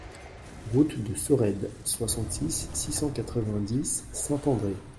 Route de Sorède, soixante-six, six cent quatre-vingt-dix Saint-André